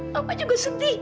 mama juga sedih